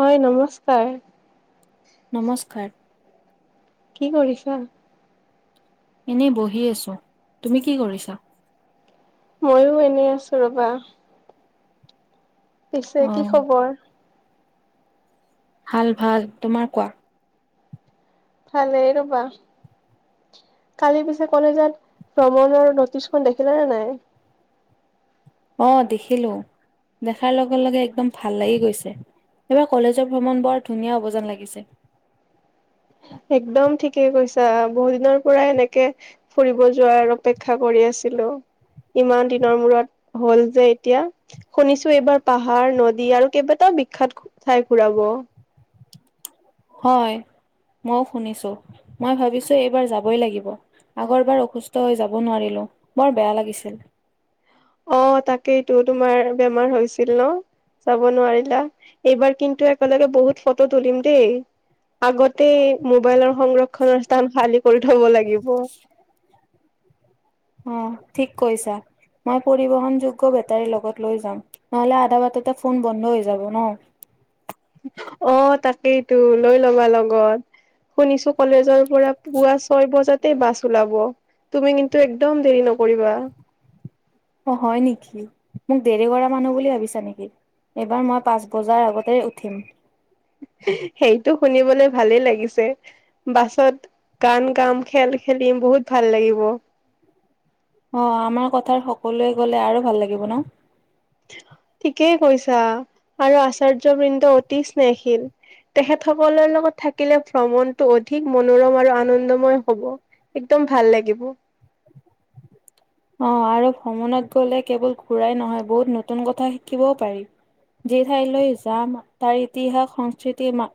হয়, নমস্কাৰ নমস্কাৰ, কি কৰিছা এনেই বহি আছো, তুমি কি কৰিছা ময়ো এনে আছো ৰবা পিছে কি অ', খবৰ ভাল, ভাল তোমাৰ কোৱা ভাল ৰ'বা কালি পিছে কলেজত ভ্ৰমণৰ নটিচখন দেখিলা নে নাই অ', দেখিলো দেখাৰ লগে' লগে একদম ভাল লাগি গৈছে এইবাৰ কলেজৰ ভ্ৰমণ বৰ ধুনীয়া হৱ‌ যেন লাগিছে [inaudible] একদম ঠিকে কৈছা, বহু দিনৰ পৰা এনেকে ফুৰিব যোৱাৰ অপেক্ষা কৰি আছে ছিলিলো ইমান দিনৰ মূৰত হ'ল যে এতিয়া শুনিছো এইবাৰ পাহাৰ নদী আৰু কেইবাটাও বিখ্যাত ঠাই ঘুৰাব হয়। মইও শুনিছো, মই ভাবিছো এইবাৰ যাবই লাগিব আগৰবাৰ অসুস্থ হৈ যাব নোৱাৰিলো বৰ বেয়া লাগিছিল অ', তাকেইটো তোমাৰ বেমাৰ হৈছিল ন। যাব নোৱাৰিলা এইবাৰ কিন্তু একেলগে বহুত ফটো তুলিম দেই আগতে মোবাইলৰ সংৰক্ষনৰৰ স্থান খালী কৰি থব লাগিব অ', ঠিক কৈছা মই পৰিবহন যোগ্য বেটাৰীৰ লগত লৈ যাম নহলে আধা বটাতে ফোন বন্ধ হৈ যাব ন [unintelligible] অ', তাকেইতো লৈ লবা লগত শুনিছোঁ কলেজৰ পৰা পুৱা ছয় বজাতে বাছ ওলাব তুমি কিন্তু একদম দেৰি নকৰিবা অ', হয় নেকি মোক দেৰি কৰা মানুহ বুলি ভাবিছা নেকি এইবাৰ মই পাঁচ বজাৰ আগতে উঠিম সেইটো শুনিবলৈ ভালেই লাগিছে বাছত গান গাম, খেল খেলিম, বহুত ভাল লাগিব। অ', আমাৰ কথাৰ সকলোৱে গ'লে, আৰু ভাল লাগিব নহ? ঠিকেই কৈছা, আৰু আচাৰ্যবৃন্দ অতি স্নেহশীল। তেখেত সকলৰ লগত থাকিলে, ভ্ৰমণটো অধিক মনোৰম আৰু আনন্দ [unintelligible] হ'ব, একদম ভাল লাগিব। অ', আৰু ভ্ৰমণত গ'লে কেৱল ঘুৰাই নহয়, বহুত নতুন কথা শিকিবও পাৰি। যি ঠাইলৈ যাম, তাৰ ইতিহাস সংস্কৃতি মা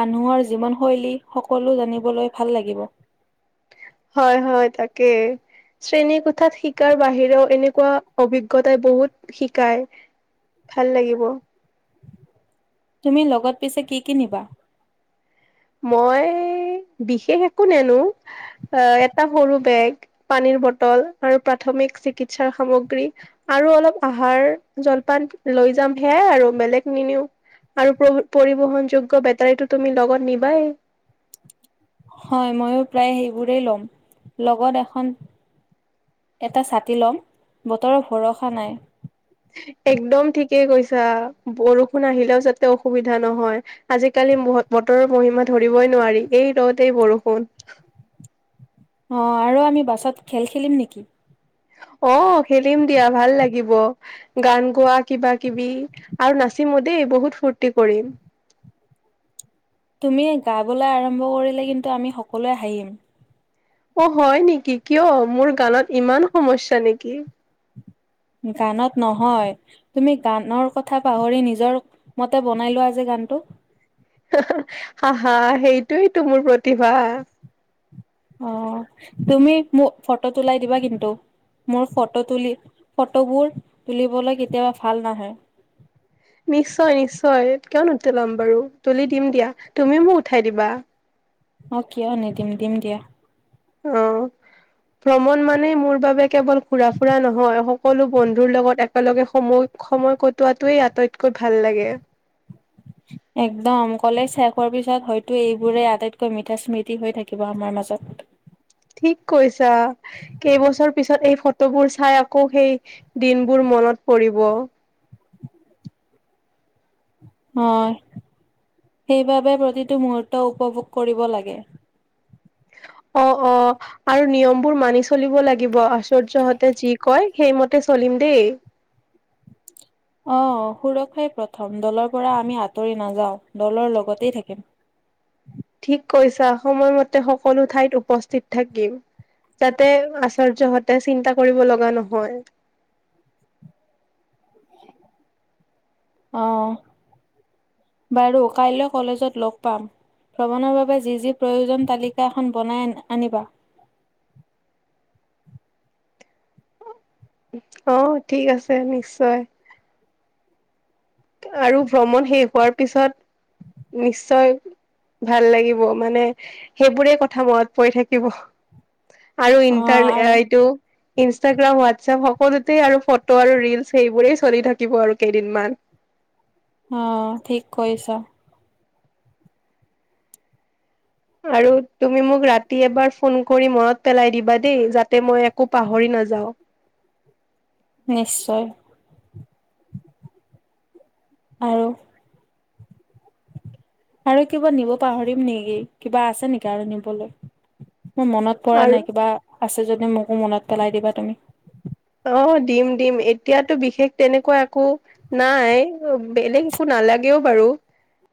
মানুহৰ জীৱনশৈলী, সকলো জানিবলৈ ভাল লাগিব। হয়, হয়, তাকে। শ্ৰেণী কোঠাত শিকাৰ বাহিৰেও, এনেকুৱা অভিজ্ঞতাই বহুত শিকায়। ভাল লাগিব। তুমি লগত পিছে, কি কি নিবা? মই, বিশেষ একো নেনো। এটা সৰু বেগ, পানীৰ বটল, আৰু প্ৰাথমিক চিকিৎসাৰ সামগ্ৰী। আৰু অলপ আহাৰ, জলপান লৈ যাম, সেইয়াই আৰু বেলেগ নিনিও। আৰু প-পৰিবহন যোগ্য বেটাৰীটো তুমি লগত নিব বাই। হয়, মইও প্ৰায় সেইবোৰেই ল'ম, লগত এখন এটা ছাতি ল'ম, বতৰৰ ভৰসা নাই। একদম ঠিকেই কৈছা, বৰষুণ আহিলেও যাতে অসুবিধা নহয়। আজিকালি বত-বতৰৰ মহিমা ধৰিবই নোৱাৰি, এই ৰ'দ এই বৰষুণ। অ', আৰু আমি বাছত খেল খেলিম নেকি? অ', খেলিম দিয়া ভাল লাগিব। গান গোৱা, কিবা, কিবি আৰু নাচ [unintelligible] দেই বহুত ফূৰ্তি কৰিম। তুমি গাবলৈ আৰম্ভ কৰিলে কিন্তু, আমি সকলোৱে হাঁহিম। অ', হয় নেকি, কিয় মোৰ গানত ইমান সমস্যা নেকি? গানত নহয়, তুমি গানৰ কথা পাহৰি নিজৰ মতে বনাই লোৱা যে গান। [unintelligible] [unintelligible] সেইটোৱেইতো মোৰ প্ৰতিভা। অ', তুমি মোক ফটো তুলাই দিবা কিন্তু? মোৰ ফটো তুলি, ফটোবোৰ তুলিবলৈ কেতিয়াবা ভাল নাহে। নিশ্চয় নিশ্চয় কিয় নুতোলাম বাৰু, তুলি দিম দিয়া। তুমিও, মোক উঠাই দিবা। অ', কিয় নেদিম, দিম দিয়া। অ'। ভ্ৰমণ মানে, মোৰ বাবে কেৱল ঘুৰা ফুৰা নহয়। সকলো বন্ধুৰ লগত, একেলগে সময় সময় কটোৱাটোৱেই, আটাইতকৈ ভাল লাগে। একদম কলেজ শেষ হোৱাৰ পিছত হয়তো, এইবোৰে আটাইতকৈ মিঠা স্মৃতি হৈ থাকিব আমাৰ মাজত। ঠিক কৈছা, কেইবছৰ পিছত এই ফটোবোৰ চাই আকৌ সেই দিনবোৰ মনত পৰিব। হয়, সেইবাবে প্ৰতিটো মুহুৰ্ত উপভোগ কৰিব লাগে। অ', অ, আৰু নিয়মবোৰ মানি চলিব লাগিব। আশ্চৰ্যহতে যি কয়, সেইমতে চলিম দেই। অ', সুৰক্ষাই প্ৰথম দলৰ পৰা আমি আঁতৰি নাযাও, দলৰ লগতেই থাকিম। ঠিক কৈছা, সময়মতে সকলো ঠাইত উপস্থিত থাকিম। যাতে, আশ্চৰ্যহতে চিন্তা কৰিব লগা নহয়। [inaudible] অহ। বাৰু, কাইলৈ কলেজত লগ পাম। ভ্ৰমণৰ বাবে যি যি প্ৰয়োজন, তালিকা এখন বনাই আ-আনিবা। [inaudible] অ', ঠিক আছ, নিশ্চয়। আৰু ভ্ৰমণ শেষ হোৱাৰ পিছত নিশ্চয় ভাল লাগিব মানে সেইবোৰে কথা মনত পৰি থাকিব আৰু অ', ইণ্টাৰনে আৰু এইটো ইনষ্টাগ্ৰাম হোৱাটছপ সকলোতেই আৰু ফটো আৰু ৰিলচ সেইবোৰেই চলি থাকিব আৰু কেইদিনমান অ ঠিক কৰিছা আৰু তুমি মোক ৰাতি এবাৰ ফোন কৰি মনত পেলাই দিবা দেই যাতে মই একো পাহৰি ন নাযাওক নিশ্চয় আৰু আৰু কিবা নিব পাহৰিম নেকি কিবা আছে নেকি আৰু নিবলৈ মোৰ মনত পৰা আৰু নাই কিবা আছে যদি মোকো মনত পেলাই দিবা তুমি অ দিম দিম এতিয়াতো বিশেষ তেনেকুৱা একো নাই বেলেগ একো নালাগে বাৰু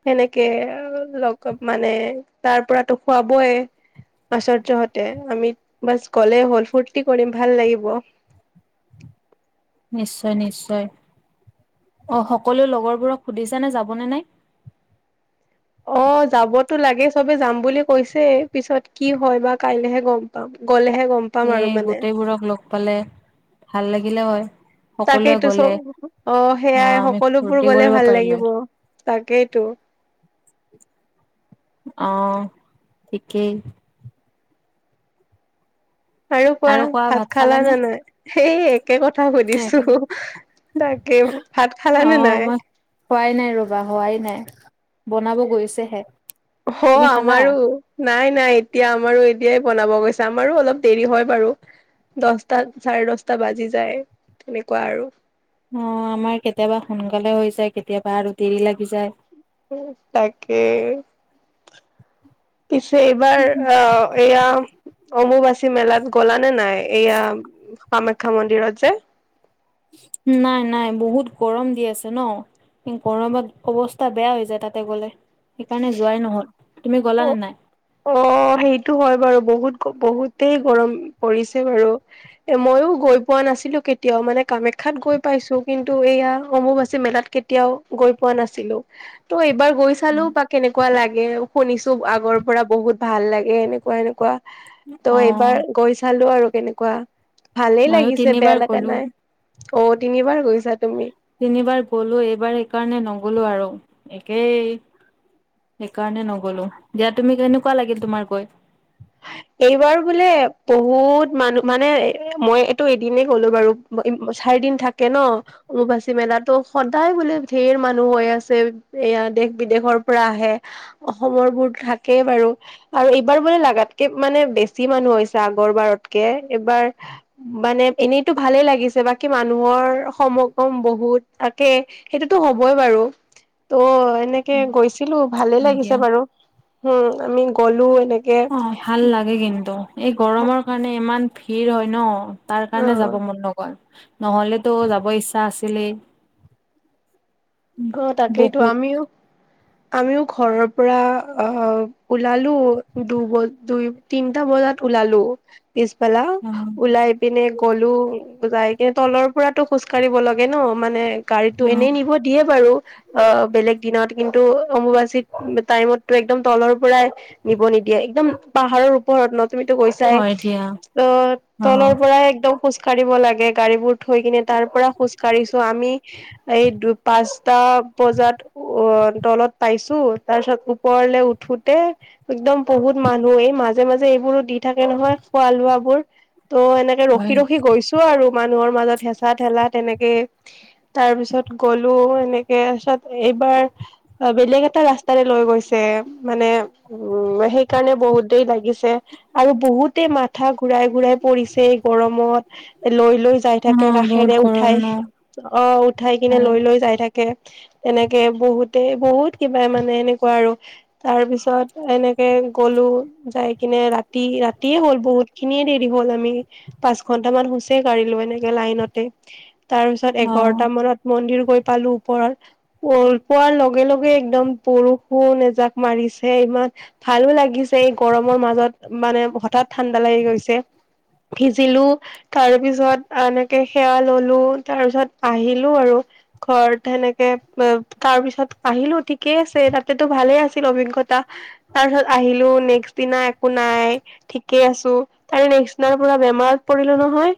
সেনেকে লগ মানে তাৰ পৰাতো খুৱাবই আশৰ হতে আমি বাছ গ'লে হ'ল ফূুৰ্তি কৰিম ভাল লাগিব নিশ্চয় নিশ্চয় অ সকলোৱ লগৰবোৰক সুধিছা নে যাবনে নাই অ অ যাবতো লাগে চবে যাম বুলি কৈছে পিছত কি হয় বা কাইলেহে গম পাম গ'লে সেই গোটেইবোৰক ল'গ পালে ভাল লাগিলে হয়। সকলোৱে তাকেইতো গ'লে চব অঁ অ সেয়াই আমি সকলোবোৰ ফূৰ্তি গ'লে কৰিব ভাল পাৰিলো লাগিব। হয় তাকেইতো। অঁ ঠিকেই। আৰু কোৱা ভাত খালা নে নাই? সেই একে কথা সুধিছো। তাকে ভাত খালানে নাই? হোৱাই নাই ৰবা হোৱাই নাই বনাব গৈছেহে। অ' তুমি খালা? আমাৰো নাই নাই, এতিয়া আমাৰো এতিয়াই বনাব গৈছে। আমাৰো অলপ দেৰি হয় বাৰু দচটাত চাৰে দছটা বাজি যায়, তেনেকুৱা আৰু। অঁ, আমাৰ কেতিয়াবা সোনকালে হৈ যায় কেতিয়াবা আৰু দেৰি লাগি যায়। তাকে। পিছে এইবাৰ অ' এয়া অম্বুবাছি মেলাত গ'লা নে নাই? এইয়া কামাখ্যা মন্দিৰত যে নাই নাই, বহুত গৰম দি আছে ন! এই গৰমত অৱস্থা বেয়া হৈ যায় তাতে গ'লে সেইকাৰণে যোৱাই নহ'ল। তুমি গলা নে অঁ নাই? অঁ সেইটো হয় বাৰু বহুত গ বহুতেই গৰম পৰিছে বাৰু এ ময়ো গৈ পোৱা নাছিলো কেতিয়াও মানে কামাখ্যাত গৈ পাইছো, কিন্তু এয়া অম্বুবাচী মেলাত কেতিয়াও গৈ পোৱা নাছিলো। ত' এইবাৰ গৈ চালো বা কেনেকুৱা লাগে, শুনিছো আগৰ পৰা বহুত ভাল লাগে এনেকুৱা এনেকুৱা। ত' অ এইবাৰ গৈ চালো আৰু কেনেকুৱা। ভালেই ময়ো লাগিছে বেয়া তিনিবাৰ লাগা গলো নাই। অ' তিনিবাৰ গৈছা তুমি? তিনিবাৰ গ'লো এইবাৰ সেইকাৰণে নগ'লো আৰু একেই সেইকাৰণে নগলো, দিয়া তুমি কেনেকুৱা লাগিল তোমাৰ গৈ [unintelligible] এইবাৰ বোলে বহুত মানুহ মানে, মই এইটো এদিনেই গলো বাৰু দুদিন থাকে নহ, অম্বুবাচী মেলাততো সদায় বোলে ধেৰ মানুহ হৈ আছে। এয়া দেশ বিদেশৰ পৰা আহে, অসমৰবোৰ থাকেই বাৰু আৰু এইবাৰ বোলে লাগাত মানে বেছি মানুহ হৈছে আগৰ বাৰতকে, এইবাৰ মানে এনেইতো ভালে লাগিছে। বাকি মানুহৰ সমগম বহুত থাকে, সেইটোতো হবই বাৰু তহ, এনেকে গৈছে। ছিলো ভালে হয় লাগিছে দিয়া বাৰু হোম আমি গলো এনেকে অ', ভাল লাগে কিন্তু এই গৰমৰ কাৰণে ইমান ভিৰ হয় ন তাৰ কাৰণে যাব অ মন নগল নহলেতো যাব ইচ্ছা আছিলেই অ তাকেইতো বহুত আমিও আমিও ঘৰৰ পৰা অ ওলালো দুবজ দুই তিনটা বজাত ওলালো পিছবেলা অ', ওলাই পিনে গলো যাই কিনে তলৰ পৰাটো খোজ কাঢ়িব লাগে ন মানে গাড়ীতো অ', এনেই নিব দিয়ে বাৰু অ বেলেগ দিনত কিন্তু অম্বুবাচী টাইমত টো একদম তলৰ পৰাই নিব নিদিয়ে, একদম পাহাৰৰ ওপৰত ন। তুমিতো গৈছায়ে, হয় দিয়া ত' তলৰ অ', পৰাই একদম খোজ কাঢ়িব লাগে গাড়ীবোৰ থৈ কিনে তাৰ পৰা খোজ কঢ়িছো আমি এই দু পাঁচটা বজাত অ' তলত পাইছো তাৰপিছত ওপৰলে উঠোতে একদম বহুত মানুহ এই মাজে মাজে এইবোৰো দি থাকে নহয় খোৱা লোৱাবোৰ। ত' এনেকে হয় ৰখি ৰখি গৈছো আৰু। মানুহৰ মাজত হেঁচা ঠেঁলা তেনেকেইষ তাৰপিছত গ'লো এনেকে তাৰপিছত এইবাৰ বেলেগ এটা ৰাস্তাৰে লৈ গৈছে। মানে উম, সেইকাৰণে বহুত দেৰি লাগিছে আৰু বহুতে মাথা ঘুৰাই ঘুৰাই পৰিছে। এই গৰমত লৈ লৈ যায় থাকে অ', বহুত কাষেৰে গৰম উঠাই ন অ' উঠাই কিনে হয়। লৈ লৈ যায় থাক কে তেনেকে বহুতে বহুত কিবা মানে এনেকুৱা আৰু তাৰ পিছত এনে কে গ'লো যায় কিনে ৰাতি ৰাতিয়ে হ'ল বহুতখিনিয়ে দেৰি হ'ল আমি পা ঘন্টামান হৈছেই গাড়ীলৈ এনেকে, লাইনতে তাৰপিছত এঘাৰটা অ', মানত মন্দিৰ গৈ পালো ওপৰত গৈ পোৱাৰ লগে লগে একদম বৰষুণ এজাক মাৰি ছে ইমান ভালো লাগিছে এই গৰমৰ মাজত মানে হঠাৎ ঠাণ্ডা লাগি গৈছে। ভিজিলো তাৰ পিছত এনেকে সেৱা ল'লো তাৰ পিছত আহি লো আৰু ঘৰত সেনেকে অ' তাৰ পিছত আহিলো ঠিকেই আছে তাতেতো ভালেই আছিল অভিজ্ঞতা। তাৰ পিছত আহিলো নেক্স দিনা একো নাই ঠিকে আছো। তাৰ নে [unintelligible] পৰা বেমাৰত পৰিলো নহয়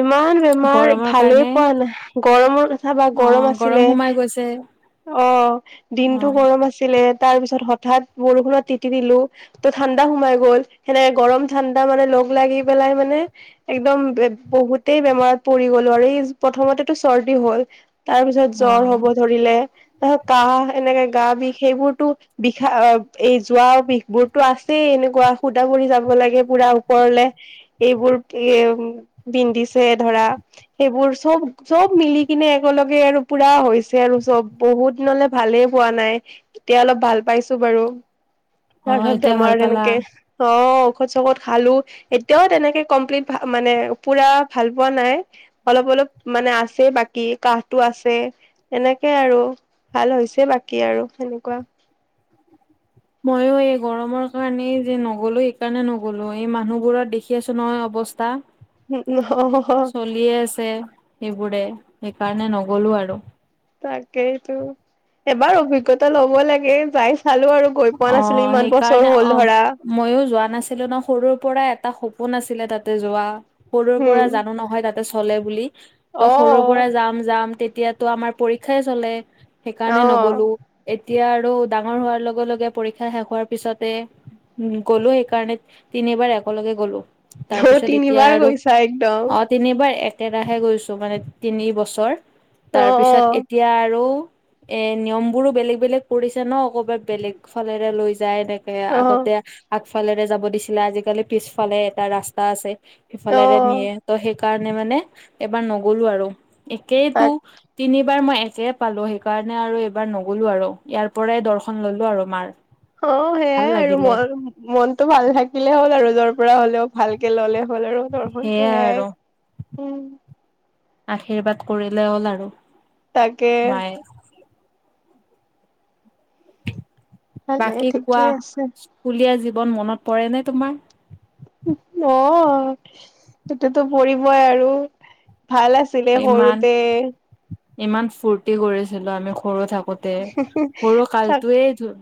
ইমান বেমাৰ গৰমৰ ভালেই কাৰণে পোৱা নাই গৰমত তথাবা গৰম অ', আছিলে সোমাই গৈছে অ' দিনটো অ', গৰম আছিলে। তাৰ পিছত হঠাৎ বৰষুণত তিতি দিলো ত' ঠাণ্ডা সোমাই গ'ল। সেনেকে গৰম ঠাণ্ডা মানে লগ লগ লাগি পেলাই মানে একদম বহুতেই বেমাৰত পৰি গ'লো আৰু এই প্ৰথমতেটো চৰ্দি হ'ল। তাৰ পিছত জ্বৰ হ'ব অ', ধৰিলে, তাৰপিছত কাহ এনেকে গা বিষ সেইবোৰতো বিষা এই যোৱা বিষ বোৰতো আছেই এনেকুৱা সুদা কৰি যাব। পিন্ধিৱ লাগে পোৰা ওপৰলে, এইবোৰ পিন্ধিছে ধৰা সেইবোৰ চব চব মিলি কিনে একেলগে আৰু পুৰা হৈছে আৰু চব বহুত দিনলে ভালে পোৱা নাই তেতিয়া অলপ ভাল পাইছো বাৰু, অ', তাৰপিছত এতিয়া বেমাৰ ভাল তেনেকে পালা চপ ঔষধ চৌখত খালো এতিয়াও তেনেকে কমপ্লিট মানে পুৰা ভাল পোৱা নাই অলপ অলপ মানে আছে বাকী কি কাহটো আছে এনেকে আৰু ভাল হৈছে বাকী আৰু সেনেকুৱা। [inaudible] ময়ো এই গৰমৰ কাৰণেই যে নগলো সেইকাৰণে নগলো এই মানুহ বোৰত দেখি আছো নহয়। বস্তা। অ চলিয়ে আছে সেইবোৰে সেইকাৰণে নগলো আৰু। তাকেইতো, এবাৰ অভিজ্ঞতা ল'ব লাগে যাই। চালো আৰু গৈ পোৱা নাছিলো অৱ, ইমান বছৰ সেইকাৰণে হ'ল অৱ ধৰা মইয়ো যোৱা নাছিলো ন সৰুৰ পৰাই এটা সপোন আছিলে তাতে যোৱা সৰুৰ পৰা উম জানো নহয় তাতে চলে বুলি। ত' সৰুৰ পৰা অ যাম যাম তেতিয়াতো আমাৰ পৰীক্ষাই চলে। অ', সেইকাৰণে অ', নগলো এতিয়া আৰু ডাঙৰ হোৱাৰ লগে লগে পৰীক্ষা শেষ হোৱাৰ পিছতে উম গ'লো সেইকাৰণে তিনিবাৰ একেলগে গ'লো। তাৰপিছত এতিয়া তিনিবাৰ আৰু গৈছা একদম অ তিনিবাৰ এক তেৰাহে গৈছোঁ মানে তিনি বছৰ অ', তাৰপিছত অ', এতিয়া আৰু এ নিয়ম বোৰো বেলেগ বেলেগ পৰিছে ন কব বেলেগ ফালেৰে লৈ যায় এনেকে অ', আগতে আগফালেৰে যাব দিছিলে আজিকালি পিছফালে এটা ৰাস্তা আছে অ', সিফালেৰে নিয়ে ত সেইকাৰণে মানে এবাৰ নগলো আৰু একেইতো তাক তিনিবাৰ মই একে পালো সেইকাৰণে আৰু এইবাৰ নগ'লো আৰু ইয়াৰ পৰাই দৰ্শন ললো আৰু মাৰ অ ভাল সেয়াই আৰু লাগিলে মন মনতটো ভাল থাকিলে হ'ল আৰু যৰ পৰা হলেও ভালকে ললে হ হল আৰু দৰ্শনটো সেইয়াই আৰু সে উম আশীৰ্বাদ কৰিলে হ'ল আৰু তাকে মায়ে ভালে বাকী কোৱা ঠিকে আছে স্কুলীয়া জীৱন মনত পৰে নে তোমাৰ অ সটোতো পৰিবই আৰু ভাল আছিলে ইমান সৰুতে ইমান ফূুৰ্তি কৰিছিলো আমি সৰু থাকোতে সৰু কালটোয়ে